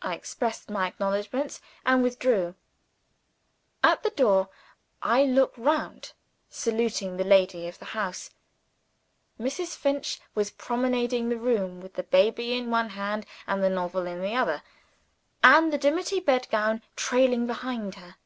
I expressed my acknowledgments, and withdrew. At the door, I look round, saluting the lady of the house. Mrs. Finch was promenading the room, with the baby in one hand and the novel in the other, and the dimity bedgown trailing behind her.